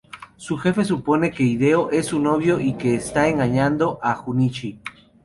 Su jefe supone que Hideo es su novio y que está engañando a Junichi.